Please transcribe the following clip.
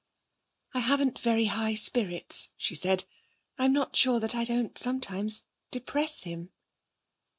'I haven't very high spirits,' she said. 'I'm not sure that I don't sometimes depress him.'